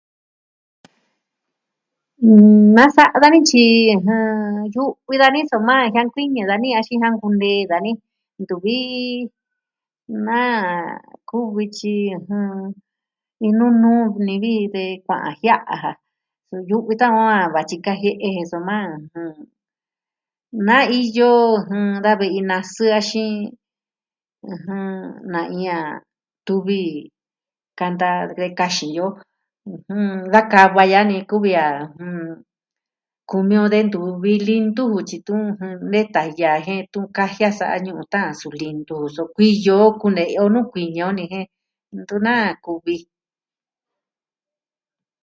Nasa'a dani tyi yu'vi dani soma jiankuiñɨ dani axin jiankunee dani. Ntuvi... naa... kuvi tyi iin nunuu ni vi ji de kua'an jia'a ja. Su yu'vi tan on vatyi kajie'e je soma, ɨjɨn... Na iyo jɨn da ve'i nasɨ axin... ɨjɨn, na iin a tuvi kanta de kaxin jin o. Da kava ya'a ni kuvi a kumi o de ntuvi lintu tyi tu, jɨn... detun nee taya ja jen tu kajia sa'a ñu'un taan suu lintu so kuiyo o kune'ya o kuiñɨ ni jen, ntu naa kuvi.